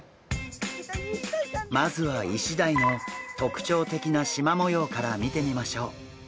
まずはイシダイの特徴的なしま模様から見てみましょう。